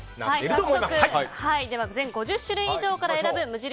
早速、全５０種類以上から選ぶ無印